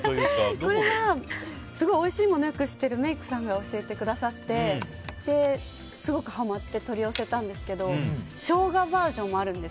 これは、いっぱいおいしいものを知っているメイクさんが教えてくださってすごくハマって取り寄せたんですがショウガバージョンもあるんです。